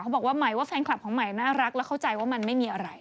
เขาบอกว่าแฟนคลับของไหมน่ารักแล้วเข้าใจว่ามันไม่มีอะไร